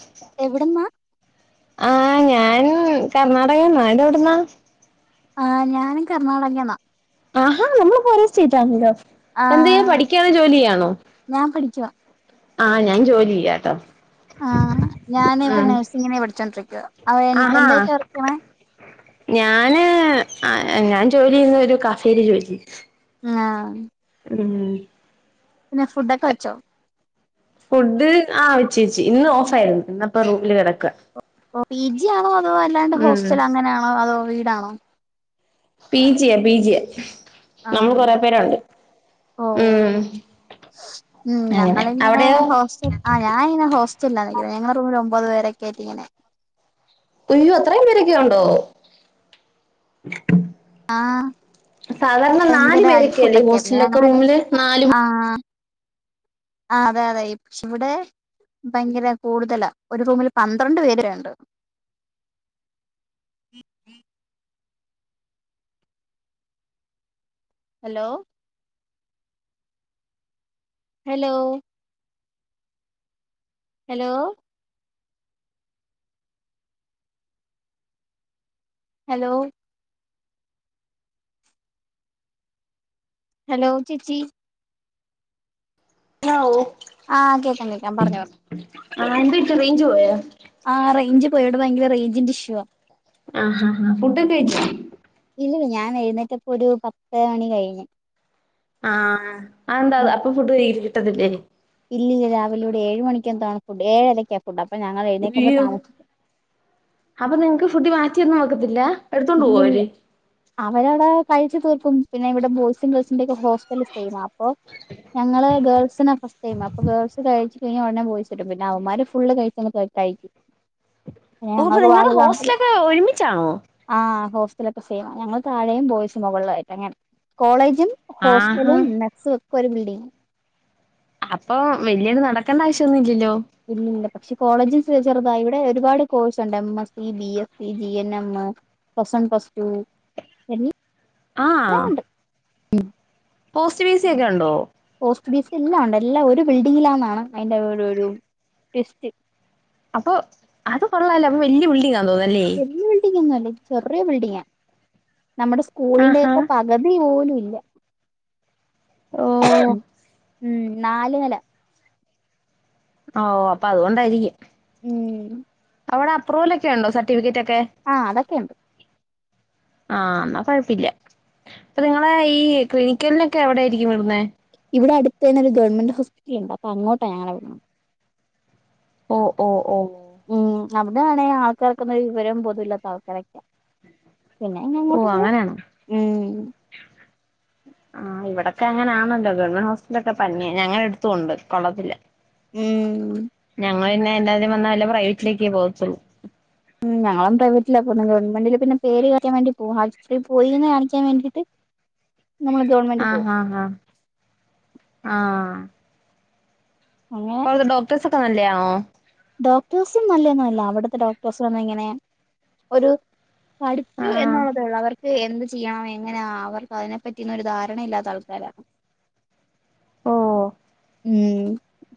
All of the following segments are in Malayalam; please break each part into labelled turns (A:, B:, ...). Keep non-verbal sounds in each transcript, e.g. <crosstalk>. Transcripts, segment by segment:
A: ശ ശ
B: എവ്ടെന്നാ?
A: ആഹ് ഞാൻ കർണ്ണാടകെന്നാ ഇത് എവ്ട്ന്നാ?
B: ആഹ് ഞാനും കർണ്ണാടകെന്നാ
A: ആഹാ നമ്മെൾ അപ്പം ഒരെ സ്റ്റേറ്റ് ആണല്ലോ എന്ത് ചെയ്യാ
B: ആഹ്
A: പഠിക്കാണോ? ജോലി ചെയ്യാണോ?
B: ഞാൻ പഠിക്കുവാ
A: ആഹ് ഞാൻ ജോലി ചെയ്യാട്ടോ.
B: ആഹ് ഞാൻ ഇപ്പം
A: ഉം
B: നഴ്സിങ്ങിന് പഠിച്ചോണ്ടിരിക്കുവാ അവ
A: ആഹാ
B: എന്തായിട്ടാ വർക്ക് ചെയ്യണേ
A: ഞാന് അ ഞാൻ ജോലി ചെയ്യുന്നെ ഒരു കഫേൽ ജോലി
B: ആഹ്
A: ഉം
B: പിന്നെ ഫുഡൊക്കെ വെച്ചോ?
A: ഫുഡ് ആഹ് വെച്ച് വെച്ച് ഇന്ന് ഓഫായിരുന്നു ഇന്ന് അപ്പം റൂമിൽ കെടക്കാ
B: പി ജി ആണോ അതോ അല്ലാണ്ട്
A: ഉം
B: ഹോസ്റ്റലാണോ അങ്ങനെ ആണോ അതോ വീടാണോ?
A: പീ ജി എ പീ ജി എ നമ്മെൾ
B: ആഹ്
A: കൊറെ പേര് ഒണ്ട്
B: ഓഹ് ഉം
A: അങ്ങനെ
B: ഞങ്ങൾ ഇങ്ങനെ
A: അവിടെയോ
B: ഹോസ്റ്റെൽ ആഹ് ഞാൻ ഇങ്ങനെ ഹോസ് <unintelligible> ഞങ്ങള റൂമിൽ ഒമ്പത് പേരോക്കെ ആയിറ്റ് ഇങ്ങനെ
A: ഒയ്യോ അത്രേം പേരൊക്കെ ഉണ്ടോ?
B: ആഹ്
A: സാധാരണ നാൽ
B: ഭയങ്കര അടി
A: പേരൊക്കെ അല്ലെ
B: ഫുഡൊക്കെ ആയിരുന്നു
A: ഹോസ്റ്റെൽ ഒക്കെ
B: ഞങ്ങള്
A: റൂമിൽ
B: അഡ്ജസ്റ്റ്
A: നാലും
B: ആഹ്
A: <inaudible>
B: ആഹ് അതെ അതെ ക്ഷെ ഇവടെ ഭയങ്കര കൂട്തെലാ ഒര് റൂമിൽ പന്ത്രണ്ട് പേര് വെരെ ഇണ്ട് hello hello hello hello hello ചേച്ചി
A: <unintelligible>
B: ആഹ് കേക്കാം കേക്കാം പറഞ്ഞോ
A: ആഹ് എന്ത് പറ്റി റേയ്ഞ്ച് പോയോ?
B: ആഹ് റേയ്ഞ്ച് പോയി ഇവടെ ഭയങ്കര റേയ്ഞ്ചിന്റെ ഇഷ്യുവാ
A: ആഹ് ഹാ ഹാ ഫുഡൊക്കെ കഴ്ച്ചോ?
B: ഇല്ലല്ല ഞാൻ എഴ്ന്നെറ്റപ്പം ഒരു പത്ത് മണി കഴിഞ്ഞ്
A: ആഹ് അഹ് എന്താ അപ്പം ഫുഡ് കയ്യിൽ കിട്ടെത്ത് ഇല്ലെയ്നി?
B: ഇല്ലി ഇല്ല രാവിലെ ഇവടെ ഏഴ് മണിക്കെന്തോ ആണ് ഫുഡ് ഏഴ് അരക്കാ ഫുഡ് അപ്പ ഞങ്ങൾ എഴ്ന്നെക്കുമ്പം താമസിക്കും
A: അപ്പം നിങ്ങെക്ക് ഫുഡ് മാറ്റി ഒന്നും വെക്കത്തില്ലാ
B: ഇല്ലി ഇല്ലാ അവര് അവ്ടെ കഴിച്ച് തീർക്കും പിന്നെ ഇവിടെ ബോയ്സും ഗേൾസിന്റെക്കെ ഹോസ്റ്റല് സെയ്മാ അപ്പം ഞങ്ങൾ ഗേൾസിനാ ഫസ്റ്റ് ടൈമ് അപ്പം ഗേൾസ് കഴിച്ച് കഴിഞ്ഞ ഒടനെ ബോയ്സ് വെരും പിന്നെ അവമ്മാര് ഫുള്ള് കഴിച്ച് അങ്ങ് <unintelligible>
A: ഓഹ് അപ്പം നിങ്ങടെ
B: കാണത്തില്ല
A: ഹോസ്റ്റെൽ ഒക്കെ ഒര്മിച്ചാണോ?
B: ആഹ് ഹോസ്റ്റലൊക്കെ സെയ്മാ ഞങ്ങള് താഴേം ബോയ്സ് മോകളിലായിട്ടങ്ങനെ കോളേജും
A: ആഹാ
B: ഹോസ്റ്റലും മെസ്സും ഒക്കെ ഒരു ബിൽഡിങ്ങാ
A: അപ്പോ വല്യ <unintelligible> നടക്കണ്ട ആവശ്യന്നും ഇല്ല്യല്ലോ
B: ഇല്ലില്ല പഷേ കോളേജ് ചെറുതാ ഇവടെ ഒരുപാട് കോഴ്സൊണ്ട് M S C, B S C, G N M plus one plus two എല്ല
A: ആഹ് പോസ്റ്റ് ഫീസിയൊക്കെ ഒണ്ടോ?
B: പോസ്റ്റ് ബിസി എല്ലാവോണ്ട് എല്ലാ ഒരു ബിൽഡിങ്ങിലാന്നാണ് അയിന്റെ ഒരു ഒരു ട്വിസ്റ്റ്
A: അപ്പോ അത് കൊള്ളല്ലോ അപ്പോ വല്യ ബിൽഡിങ്ങ
B: വല്യ ബിൽഡിങ്ങൊന്നും അല്ല ചെറിയ ബിൽഡിങ്ങാ നമ്മടെ
A: ആഹാ
B: സ്കൂളിന്റെക്കെ പ കതി പോലു ഇല്ല
A: ഓഹ്
B: ഉം നാല് നെല
A: ഓഹ് അപ്പോ അതുകൊണ്ടാരിക്കും
B: ഉം
A: അവടെ അപ്രുവലക്കെ ഒണ്ടോ സർട്ടിഫിക്കറ്റക്കെ
B: ആഹ് അതക്കെണ്ട്
A: ആഹ് അന്നാ കൊഴപ്പില്ല അപ്പോ നിങ്ങളെ ഈഹ് ക്ലിനിക്കലിനൊക്കെ എവിടരിക്കും വിടുന്നെ
B: ഇവടെ അടുത്തന്നെ ഒരു ഗവൺമെന്റ് ഹോസ്പിറ്റലൊണ്ട് അപ്പോ അങ്ങോട്ട ഞങ്ങളെ വി <unintelligible>
A: ഓഹ് ഓഹ് ഓഹ്
B: ഉം അവിടെയാണെ ആൾക്കാര്ക്കൊന്നൊരു വിവരോം ബോധോം ഇല്ലാത്ത ആൾക്കാരൊക്കെയാ പിന്നെ <unintelligible>
A: ഓ
B: അങ്ങോട്ട് പോവും
A: അങ്ങനെയാണോ?
B: ഉം
A: ആഹ് ഇവടെക്കെ അങ്ങനാണല്ലോ ഗവൺമെന്റ് ഹോസ്പിറ്റലൊക്കെ പന്നെയാ ഞങ്ങടെ അടുത്തുവോണ്ട് കൊള്ളത്തില്ലാ
B: ഉം
A: ഞങ്ങളന്നെ എ <unintelligible> വന്നാ വല്ല പ്രൈവറ്റിലേക്കേ പോകത്തോള്ളു
B: ഉം ഞങ്ങളും പ്രൈവറ്റിലാ പോകുന്നേ ഗവൺമെൻറ്റില് പിന്നെ പേര് കാണിക്കാൻ വേണ്ടി പോകും ആശുപത്രി പോയിന്ന് കാണിക്കാൻ വേണ്ടീട്ട്
A: ആഹ് ആഹ് ആഹ് ആഹ്
B: <unintelligible>
A: ഡോക്ടേസ്ക്കെ നല്ലേയാണോ
B: ഡോക്ടേഴ്സും നല്ലൊന്നു അല്ല അവടത്തെ ഡോക്ടേഴ്സ് വന്നിങ്ങനെ ഒരു പഠിച്ചു
A: ആഹ്
B: എന്നോള്ളതേ ഒള്ളൂ അവർ ക്ക് എന്ത് ചെയ്യണം എങ്ങനാ അവർക്ക് അതിനെപ്പറ്റിന്നും ഒരു ധാരണയില്ലാത്ത ആൾക്കാരാ
A: ഓഹ്
B: ഉം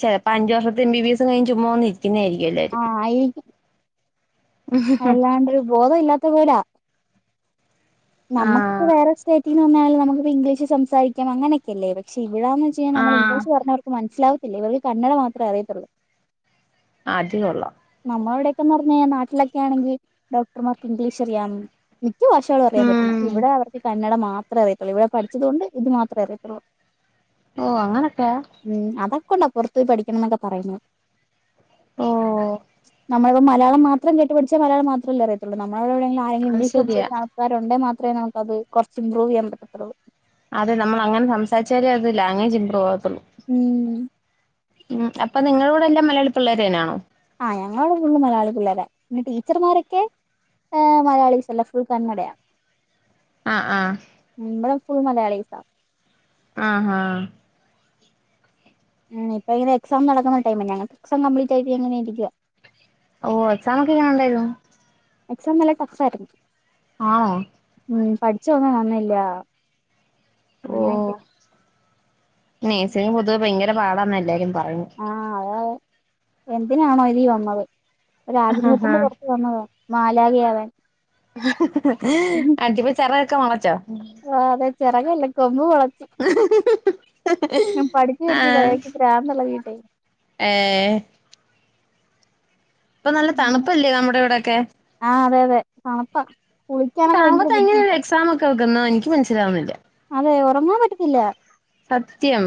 A: ചെലപ്പോ അഞ്ച് വർഷത്തെ എം ബി ബി എസ് കഴിഞ്ഞ് ചുമ്മാ വന്ന് ഇരിക്കുന്ന ആരിക്കും എല്ലാരും
B: ആഹ് ആയിരിക്കും അല്ലാണ്ടൊരു ബോധം ഇല്ലാത്ത പോലാ നമുക്കിപ്പോ
A: ആഹ്
B: വേറെ സ്റ്റേറ്റിന്ന് വന്നാലും നമ്മുക്കിപ്പോ ഇംഗ്ലീഷ് സംസാരിക്കാം അങ്ങനൊക്കെയല്ലേ പഷേ ഇവടന്ന് <unintelligible> നമ്മള്
A: ആഹ്
B: ഇംഗ്ലീഷ് പറഞ്ഞവർക്ക് മനസ്സിലാവത്തില്ല ഇവർക്ക് കന്നട മാത്രേ അറിയത്തോള്ളൂ
A: അത് കൊള്ളാം
B: നമ്മളിവടെക്കെന്ന് പറഞ്ഞ കഴിഞ്ഞാ നാട്ടിലൊക്കെ ആണെങ്കി ഡോക്ടർമ്മാർക്ക് ഇംഗ്ലീഷ് അറിയാം മിക്ക ഭാഷകളും അറിയാൻ പറ്റും
A: ഉം
B: ഇവടെ അവർക്ക് കന്നട മാത്രേ അറിയത്തോള്ളൂ ഇവടെ പഠിച്ചതുകൊണ്ട് ഇത് മാത്രമേ അറിയത്തോള്ളൂ
A: ഓഹ് അങ്ങനെക്കാ
B: ഉം അതൊക്കെണ്ടാ പൊറത്തു പോയി പഠിക്കണംന്നൊക്കെ പറയുന്നെ
A: ഓഹ്
B: <unintelligible> നമ്മളിപ്പം മലയാളം മാത്രം കേട്ടുപഠിച്ചാൽ മലയാളം മാത്രല്ലേ അറിയത്തോള്ളൂ നമ്മളവി <unintelligible> ആരെങ്കിലും
A: അത്
B: ഇംഗ്ലീഷ്
A: ശരിയാ
B: സംസാരിക്കുന്ന ആൾക്കാരൊണ്ടേ മാ ത്രേ നമക്കത് കൊറച്ച് ഇമ്പ്രൂവ് ചെയ്യാൻ പറ്റത്തോള്ളു
A: അതെ നമ്മളങ്ങനെ സംസാരിച്ചാലേ അത് ലാംഗ്വേജ് ഇമ്പ്രൂവകത്തോള്ളു
B: ഉം
A: ഉം അപ്പ നിങ്ങളക്കുടെ എല്ലാം മലയാളി പിള്ളേര് തന്നെയാണോ
B: ആഹ് ഞങ്ങള് ഫുള്ളും മലയാളി പിള്ളരാ പിന്നെ ടീച്ചർമ്മാരൊക്കെ ആഹ് മലയാളിസല്ല ഫുൾ കന്നഡയാ
A: ആഹ് ആഹ്
B: ഉം ബെടെ ഫുൾ മലയാളീസാ
A: ആഹ് ഹാ
B: ഉം ഇപ്പയ്ന് എക്സാം നടക്ക്ന്ന ടൈമാ ഞങ്ങക്ക് ക്സാം കംപ്ലീറ്റായിട്ട് ങ്ങെനെയിരിക്കുവാ
A: ഓഹ് എക്സാമൊക്കെ എങ്ങെനെ ഉണ്ടായ്‌ര്ന്നു
B: എക്സാം നല്ല ടഫായ്ര്ന്ന്
A: ആഹ്
B: ഉം പഠിച്ചൊന്നും വന്നില്ലാ അങ്ങെനെക്കെ
A: നെഴ്സിങ്ങ് പൊതുവെ ഭയങ്കെര പാടാന്നാ എല്ലാരും പറയ്
B: ആഹ് അത് എന്തിനാണോ ലീ വന്നത്
A: ആഹാ
B: ഒരാഗ്രഹത്തിന്റെ പൊർ വന്നതോ മാലാകയാവാൻ
A: ആറ്റിപ്പ ചെറകൊക്കെ മൊളച്ചോ
B: ആഹ് അതെ ചെറെകല്ല കൊമ്പ് മൊളച്ച് ഞാൻ പഠിച്ച് പഠിച്ച് ത
A: ആഹ്
B: <unintelligible> രാവിലെള്ളെ വീട്ടേ
A: ഏഹ് ഇപ്പം നല്ല
B: അങ്ങനെ
A: തണ്പ്പല്ല്യോ നമ്മുടെ ഇവിടെയൊക്കെ
B: ആഹ് അതെ അതെ തണ്പ്പാ കുളിക്കാനൊക്കെ ഭയെങ്കെര ബുദ്ധിമുട്ടാ
A: കേക്ക്ന്നോ എനിക്ക് മൻസ്സ്ലാവുന്നില്ല്യാ
B: അതെ ഒറെങ്ങാൻ പറ്റത്തില്ലാ
A: സത്യം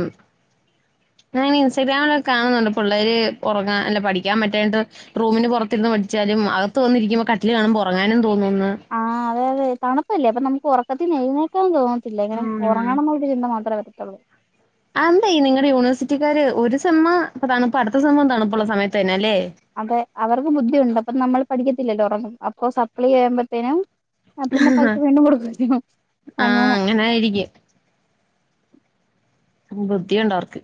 A: ഞാങ്ങെനെ ഇസ്റ്റഗ്രാമിലെക്കെ കാണ്ന്നുണ്ട് പുള്ളേര് ഒറെങ്ങാ അല്ല പഠിയ്ക്കാം പറ്റായിട്ട് റൂമിന് പാെറത്തിര്ന്ന് പഠിച്ചാലും അകത്ത് വന്നിരിക്കുമ്പോ കട്ടില് കാണ്‌മ്പോ ഒറങ്ങാനും തോന്നൂന്ന്
B: ആഹ് അതെ അതെ തണുപ്പല്ലേ അപ്പൊ നമുക്ക് ഒറക്കത്തീന്നെഴ്ന്നേക്കാൻ തോന്ന് ത്തില്ല ഇങ്ങെനെ
A: ഉം.
B: ഒറെങ്ങണംന്നുള്ളൊരു ചിന്ത മാത്രേ വരത്തൊള്ളൂ
A: ആന്തേ നിങ്ങടെ യൂണിവേഴ്സിറ്റിക്കാര് ഒര് സെമ്മ് തണുപ്പ അട്ത്ത സെമ്മും തണ്പ്പുള്ള സമയത്ത് തന്നെ അല്ലേ
B: അതെ അവർക്ക് ബുദ്ധിയുണ്ട് അപ്പം നമ്മള് പഠിക്കത്തില്ലല്ലോ ഒറെങ്ങും അപ്പൊ സപ്ലി എഴ്മ്പത്തേനും ആഹ് പിന്നെ പൈസ വീണ്ടും കൊട്ക്കാേലോ അങ്ങെനെ
A: ങ്ങനായിരിക്കു ഉം ബുദ്ധിയുണ്ടവർക്ക്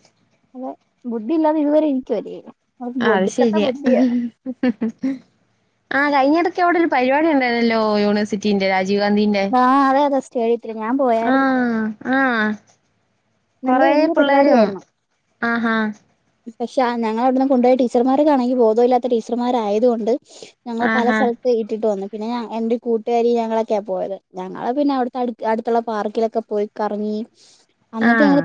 B: അതെ ബുദ്ധി ഇല്ലാതെ ഇതുവരെ ഇരിക്ക്‌വല്ലേ
A: ആഹ് അത് ശെര്യാ ആഹ് കയ്ഞ്ഞെടെക്ക് അവിടെ ഒരു പരിപാടി ഉണ്ടായ്ര്ന്നല്ലോ യൂണിവേഴ്സിറ്റിന്റെ രാ ജീവ് ഗാന്ധീന്റെ
B: ആഹ് അതെ അതെ സ്റ്റേഡിയത്തില് ഞാൻ പോയായിരുന്നു
A: ആഹ് ആഹ്
B: നല്ല
A: കൊറേ
B: വല്യ
A: പിള്ളേരും ആഹാ
B: പഷാ ഞങ്ങളവ്ട്ന്ന് കൊണ്ടാേയ ടീച്ചറ് മാര്ക്കാണെങ്കി ബോധവില്ലാത്ത ടീച്ചർമാരായത്കൊണ്ട് ഞങ്ങളെ പല
A: ആഹാ
B: സൽ ത്ത് ഇട്ടിട്ട് വന്നു പിന്നെ ഞ എന്റെ കൂട്ട്കാരി ഞങ്ങളൊക്കെയാ പോയത് ഞങ്ങള് പിന്നെ അവിട്ത്തെ അട്ത് അട്ത്തുള്ള പാർക്കിലൊക്കെ പോയി കറങ്ങി അന്നിട്ട് ഞങ്ങള്
A: ആഹ്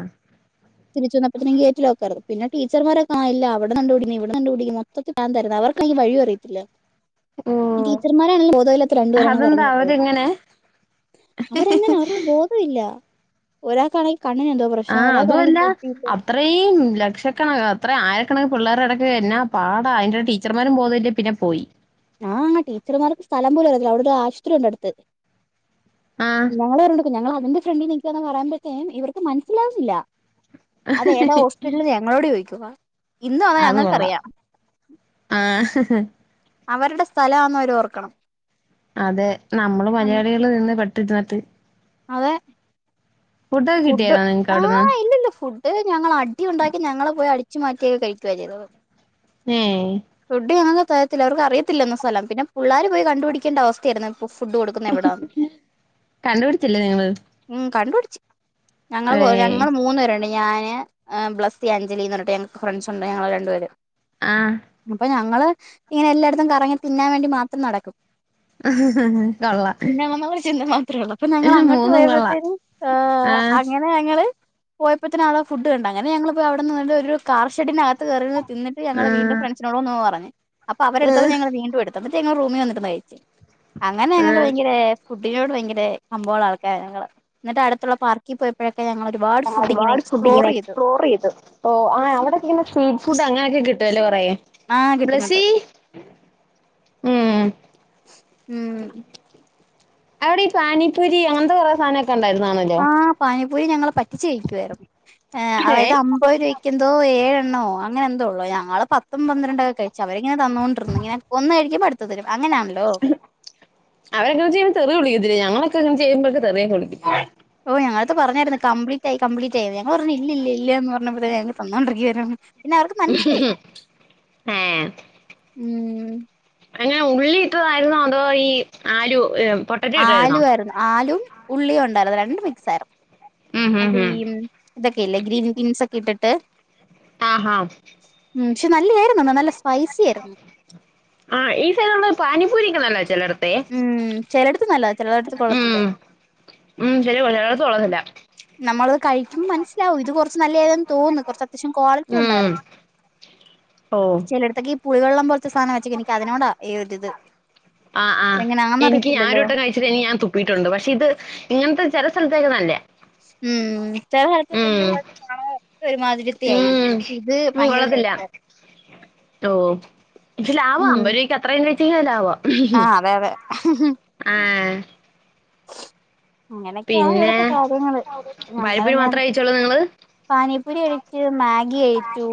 B: തിരിച്ച് വന്നപ്പഴ്തിന് ഗേറ്റ് ലോക്കായ്ര്ന്നു പിന്നെ ടീച്ചർമാരെക്കാ ഇല്ലാ അവ്ട്ന്ന് കണ്ട് പിടിക്കുന്നു ഇവ്ട്ന്ന് കണ്ട് പിടിക്കുന്നു മൊത്തത്തി പ്രാന്തായ്ര്ന്നു അവർക്കാണെങ്കി‌ വഴിയും അറിയത്തില്ലാ
A: ഓഹ്
B: ടീച്ചർമാരാണേല് ബോധവില്ലാത്ത രണ്ട് പേരെയാണ്
A: അതെന്താ
B: പറഞ്ഞ് വിട്ടത്
A: അവരെങ്ങനെ?
B: അവരങ്ങനാ അവർക്ക് ബോധവില്ല ഒരാക്കാണെങ്കി കണ്ണ്നെന്തോ പ്രശ്നം ഒരാക്കാണെങ്കി പുട്ടിയിട്ട്
A: ഇത്രേയും ലക്ഷക്കണക്ക് അത്രേം ആയിരക്കണക്ക് പിള്ളാര്ടെ എടെക്ക് എന്നാ പാടാ അയ്ന്റെടേ ടീച്ചർമാരും ബോധവില്ലേ പിന്നെ പോയി
B: ആഹ് ടീച്ചർമാർക്ക് സ്ഥലം പോലും അറിയത്തില്ല അവ്ടൊര് ആശ്പത്രി ഉണ്ട് അട്ത്ത്
A: ആഹ്
B: ഞങ്ങള് പർഞ്ഞൊട്ക്കും ഞങ്ങളതിന്റെ ഫ്രണ്ടി നിക്കാണ് പറയ്മ്പഴ്ത്തേൻ ഇവർക്ക് മൻസിലാവുന്നില്ലാ അതേതാ ഹോസ് പിറ്റല് ഞങ്ങളോട് ചോദിക്കുവാ
A: അത് കൊള്ളാം ആഹ്
B: അവര്ടെ സ്ഥലവാന്നവര് ഓർക്കണം
A: അതെ നമ്മള് മലയാളികള് നിന്ന് പെട്ടിതാട്ട്
B: അതെ
A: ഫുഡൊക്കെ
B: ഫുഡ്
A: കിട്ടിയായിരുന്നോ നിങ്ങക്ക് അവിടുന്ന്?
B: ആഹ് ഇല്ലല്ല ഫു അത് ഞങ്ങള് അടി ഉണ്ടാക്കി ഞങ്ങളെ പോയി അടിച്ചു മാറ്റിയൊക്കെ കഴിക്കോ ചെയ്തത്
A: ഏഹ്
B: ഫുഡ് ഞങ്ങക്ക് തരത്തില്ല അവർക്ക് അറിയത്തില്ല എന്ന സ്ഥലം പിന്നെ പുള്ളാര് പോയി കണ്ടുപിടിക്കേണ്ട അവസ്ഥായ്ര്ന്നു പ്പ ഫുഡ് കൊടുക്കുന്ന എവിടാണ്
A: കണ്ടുപിട്ച്ചില്ലേ നിങ്ങള്?
B: ഉം കണ്ടുപിട്ച്ച് ഞങ്ങള്
A: ഏയ്
B: ഞങ്ങള് മൂന്ന് പേരുണ്ടായി ഞാന്, ബ്ലസ്സി, അഞ്ജലിന്ന് ർഞ്ഞ്‌ട്ട് ഞങ്ങക്ക് ഫ്രണ്ട്സ് ഉണ്ട്. ഞങ്ങള് രണ്ടുപേരും
A: ആഹ്
B: അപ്പൊ ഞങ്ങള് ഇങ്ങനെ എല്ലാട്ത്തും കറങ്ങി തിന്നാൻ വേണ്ടി മാത്രം നടക്കും.
A: കൊള്ളാം.
B: തിന്നാ <unintelligible> ചിന്ത മാത്രേള്ളൂ ഞങ്ങള് അങ്ങട്ട്
A: മൂന്നും കൊള്ളാം
B: പോയപ്പത്തേന്
A: ആഹ്
B: <unintelligible> ഞങ്ങള് പോയപ്പത്തിന ആള ഫുഡ് കണ്ടു. അങ്ങനെ ഞങ്ങള് പോയി അവിടെന്ന് ഒരു കാർ ഷെഡ്ഢിനാ ത്ത് കേറിരുന്ന് തിന്നിട്ട് ഞങ്ങള് വീണ്ടും
A: ആഹ്
B: ഫ്രണ്ട്സിനോട് ഒന്ന് പറഞ്ഞു അപ്പോ അവരെടുത്തപ്പോ ഞങ്ങള് വീണ്ടും എടു ത്തപ്പത്തെ ഞങ്ങൾ റൂമി വന്നിട്ട് കഴിച്ച് അങ്ങനെ ഞങ്ങക്ക്
A: ആഹ്
B: ഭയങ്കര ഫുഡിനോട് ഭയങ്കര കമ്പോള്ള ആൾക്കാരാ ഞങ്ങള് എന്നിട്ട് അട്ത്തുള്ള പാർക്കി പോ ഴക്കെ ഞങ്ങളൊരു
A: ആഹ് ഒരുപാട് ഫുഡിങ്ങനെ എക്സ്പ്ലോറെയ്തു. ഓഹ് ആ അവിടെക്കിങ്ങനെ സ്ട്രീറ്റ് ഫുഡ് അങ്ങനെക്കെ കിട്ടുവല്ലേ കൊറേ
B: ആഹ് കിട്ടും കിട്ടും
A: ബ്ലസീ ഉം
B: ഉം
A: അവിടെ ഈ പാനിപ്പുരി അങ്ങൻത്തെ കൊറേ സാനംക്കെ ഉണ്ടായിരുന്നാണല്ലോ
B: പാനീ പൂരി ഞങ്ങള് പറ്റിച്ചു കഴിക്ക്വായിരുന്നു
A: ഏ
B: അതായത് അ <unintelligible> എന്തോ ഏഴെണ്ണോ അങ്ങനെ എന്തോ ഉള്ളോ ഞങ്ങള് പത്തും പന്ത്രണ്ടൊക്കെ കഴിച്ചു. അവരിങ്ങനെ തന്നുകൊണ്ടിരുന്നു ഇങ്ങനെ ഒന്ന് കഴിക്കുമ്പോ അടുത്തത്ത് തരും അങ്ങനാണല്ലോ
A: അവരങ്ങനെ ചെയ്യുമ്പൊ തെറി വിളിക്കത്തില്ലേ ഞങ്ങളൊക്കെ അങ്ങനെ ചെയ്യുമ്പൊ തെറിയൊക്കെ വിളിക്കും.
B: ഓഹ് ഞങ്ങൾത്തെ പറഞ്ഞായിര്ന്നു. കപ്ലീറ്റ് ആയി കപ്ലീറ്റ് ആയി ഞങ്ങ പറഞ്ഞു ഇല്ലില്ലല്ല എന്ന് പറഞ്ഞപ്പത്തന്നെ ഞങ്ങക്ക് തന്നോണ്ടിരിക്കുവാര്ന്നു പിന്നെ അവർക്ക് മൻസിലായി
A: ഏ
B: ഉം
A: അങ്ങനെ ഉള്ളിട്ടതായിരുന്നോ അതോ ഈ ആലൂ
B: ആലു ആയിരുന്നു ആലും ഉള്ളിയും ഉണ്ടായിര്ന്നു. രണ്ടും മിക്സ് ആയിര്ന്നു.
A: ഉം ഹും
B: അപ്പ
A: ഹും
B: ഈ ഇതൊക്കെ ഇല്ലേ ഗ്രീൻ ബീൻസ് ഒക്കെ ഇട്ടട്ട്
A: ആഹ് ഹാ
B: ഉം പക്ഷെ നല്ലേയായ്രുന്നു നല്ല സ്പൈസി ആയിര്ന്നു.
A: ആഹ് ഈ സ്ഥല പാനിപൂരി <unintelligible> ചെലട്ത്തെ
B: ചെലട്ത്ത് നല്ല ചെലട്ത്ത് കൊള്ളത്തില്ല
A: ഉം ശരി ചിലയിടത്ത് കൊള്ളത്തില്ല
B: നമ്മള് കഴി ക്കുമ്പൊ മൻസ്സിലാവും ഇത് കൊറച്ച് നല്ലതെന്ന് തോന്ന് കൊറച്ച് അത്യാവശ്യം ക്വാളിറ്റി
A: ഉം
B: ഉണ്ടായ്രുന്നു.
A: ഓ
B: ചെലോട്ത്തൊക്ക ഈ പുളി വെള്ളം പോൽത്ത സാനം വെച്ചക്ക എനിക്ക് അതിനോടാ ഏ ഒരു ഇത്
A: ആഹ് ആഹ് എനിക്ക് ഞാരോട്ടം കഴി ച്ച് കയിഞ്ഞ് ഞാൻ തുപ്പിട്ടുണ്ട്. പശേ ഇത് ഇങ്ങൻത്തെ ചെല സെൽത്തക്കെ നല്ലേ
B: ഉം ചെല സെൽത്ത് <unintelligible> ഒരു മാതിരിത്തെ ആയിരിക്കും.
A: ഉം
B: പക്ഷെ ഇത്
A: ഉം
B: ഭയങ്കര
A: കൊള്ളത്തില്ല.
B: ടേസ്റ്റ് ആണ്.
A: ഓഹ് ക്ഷെ ലാവാ
B: ഉം
A: അമ്പരൂവക്ക് അത്രേം കഴിചെങ്കി ലാവാ
B: ആഹ് അതെ അതെ
A: ആഹ്
B: അങ്ങനെയൊക്കെയാ
A: പിന്നെ
B: ഇവിടത്തെ കാര്യങ്ങള് ഞങ്ങള്
A: പഴപ്പൊരി
B: ഇങ്ങനെ
A: മാത്രേ കഴിച്ചോളൂ നിങ്ങള്?
B: പാനീപുരി കഴിച്ചു മാഗി കഴിച്ചു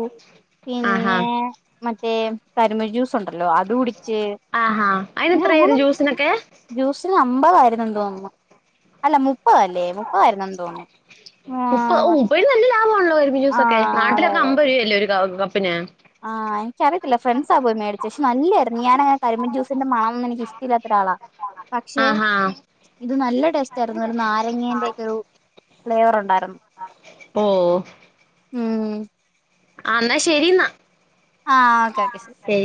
A: ആഹാ
B: പിന്നെ മറ്റേ കരിമ്പ് ജ്യൂസ് ഉണ്ടല്ലോ അത് കുടിച്ച്
A: ആഹാ അയിന്
B: ങ്ങനെ
A: എത്രയായിരുന്നു ജ്യൂസിനൊക്കെ?
B: ജ്യൂസിന് അമ്പതായിരുന്നു എന്ന് തോന്നുന്നു അല്ല മുപ്പതല്ലേ മുപ്പതായ്രുന്നു എന്ന് തോന്നുന്നു ആഹ്
A: ഒരു നല്ല ലാഭമാണല്ലോ കരിമ്പ് ജൂസൊക്കെ
B: ആഹ് അതെ അതെ
A: നാട്ടിലൊക്കെ അമ്പത് രൂവയല്ലേ ഒരു കപ്പിന്
B: ആഹ് എനിക്കറിയത്തില്ല ഫ്രണ്ട്സാ പോയി മേടിച്ചെ പക്ഷേ നല്ലായിരുന്നു ഞാനങ്ങനെ കരിമ്പിൻ ജൂസിന്റെ മണം ഒന്നും എനിക്കിഷ് യില്ലാത്ത ഒരാളാ പക്ഷെ
A: ആഹാ
B: ഇത് നല്ല ടേസ്റ്റ് ആയിരുന്നു ഒരു നാരങ്ങേന്റെ ഒക്കെ ഒരു ഫ്ലേവർ ഒണ്ടായിരുന്നു
A: ഓഹ്
B: ഉം
A: ആഹ് എന്നാ ശരി ഇന്നാ
B: ആഹ് ഓക്കേ ഓക്കെ ശരി
A: ശരി